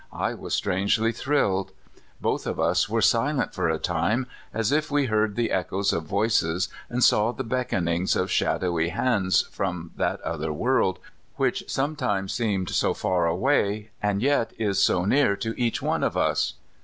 I was strangely thrilled. Both of us were silent for a time, as if we heard the echoes of voices, and saw the beckonings of shadowy hands from that Other World which sometimes seems so far away, and yet is so near to each one of us.